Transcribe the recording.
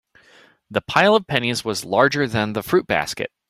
The pile of pennies was larger than the fruit basket.